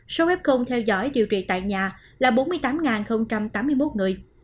số f theo dõi điều trị tại nhà là bốn mươi tám tám mươi một người